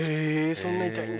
そんな痛いんだ。